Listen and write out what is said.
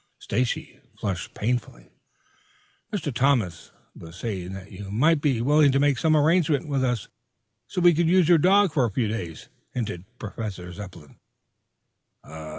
Stacy flushed painfully. "Mr. Thomas was saying that you might be willing to make some arrangement with us so we could use your dog for a few days," hinted Professor Zepplin.